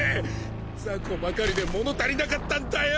雑魚ばかりで物足りなかったんだよ。